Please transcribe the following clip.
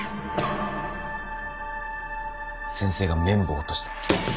先生が綿棒を落とした。